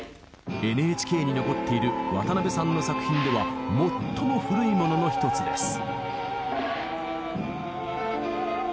ＮＨＫに残っている渡辺さんの作品では最も古いものの一つです。